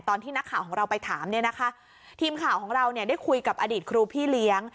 ตอนที่นักข่าวของเราไปถามทีมข่าวของเราได้คุยกับอดีตคลูพี่เลี้ยง